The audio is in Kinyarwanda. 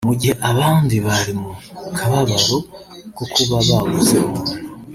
Mugihe abandi bari mu kababaro ko kuba babuze umuntu